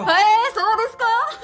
そうですかあ？